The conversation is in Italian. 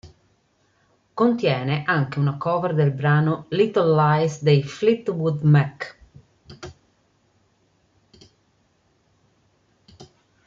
Contiene anche una cover del brano "Little Lies" dei Fleetwood Mac.